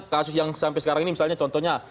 kasus yang sampai sekarang ini misalnya contohnya